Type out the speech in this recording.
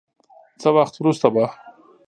څه وخت وروسته به